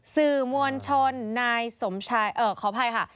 สื่อมวลชนนายสมชายขออภัยค่ะ